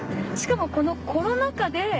しかもこのコロナ禍で。